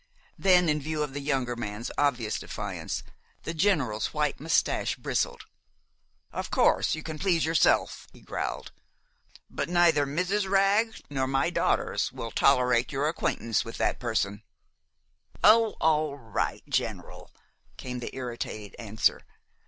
Then, in view of the younger man's obvious defiance, the General's white mustache bristled. "Of course, you can please yourself," he growled: "but neither Mrs. Wragg nor my daughters will tolerate your acquaintance with that person!" "Oh, all right, General," came the irritated answer.